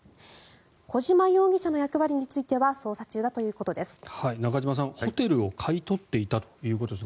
小島容疑者の役割については捜査中だということです。